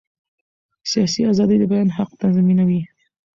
سیاسي ازادي د بیان حق تضمینوي